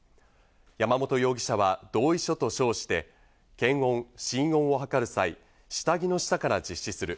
山本容疑者は同意書と称して、「検温、心音をはかる際、下着の下から実施する。